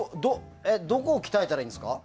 どこを鍛えたらいいんですか？